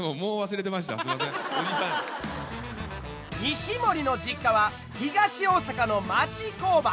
西森の実家は東大阪の町工場。